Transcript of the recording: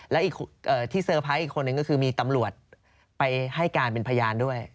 และอีกที่เซอร์ไพรส์อีกคนนึงก็คือมีตำรวจไปให้การเป็นพยานด้วย